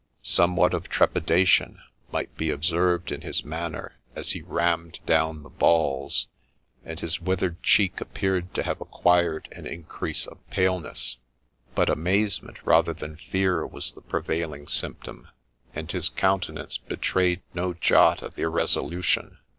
Somewhat of trepidation might be observed in his manner as he rammed down the balls, and his withered cheek appeared to have acquired an increase of paleness ; THE LEECH OF FOLKESTONE 87 but amazement rather than fear was the prevailing symptom, and his countenance betrayed no jot of irresolution.